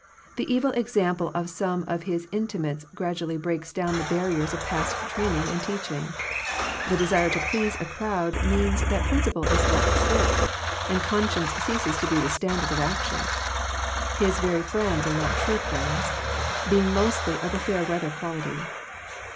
The evil example of some of his intimates gradually breaks down the barriers of past training and teaching. The desire to please a crowd means that principle is let slip, and con science ceases to be the standard of action. His very friends are not true friends, being mostly of the fair weather quality.